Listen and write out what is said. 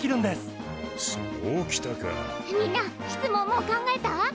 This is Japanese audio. みんな質問もう考えた？